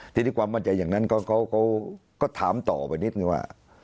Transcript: ทีนี้ความมั่นใจอย่างนั้นเขาก็ถามต่อไปนิดนึงว่า